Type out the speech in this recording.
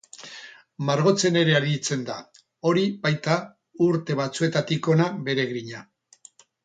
Margotzen ere aritzen da, hori baita urte batzuetatik hona bere grina.